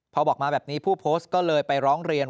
พอบอกมาแบบนี้ผู้โพสต์ก็เลยไปร้องเรียน